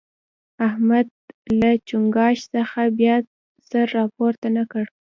احمد له چينګاښ څخه بیا سر راپورته نه کړ.